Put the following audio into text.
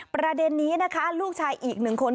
ประเด็นนี้นะคะลูกชายอีกหนึ่งคน